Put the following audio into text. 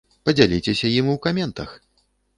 Падзяліцеся ім у каментах!